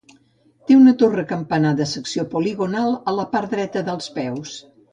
Té una torre campanar de secció poligonal a la part dreta dels peus.